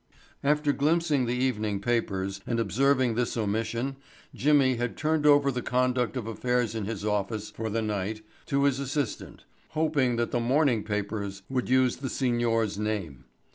After glimpsing the evening papers and observing this omission Jimmy had turned over the conduct of affairs in his office for the night to his assistant, hoping that the morning papers would use the signor's name.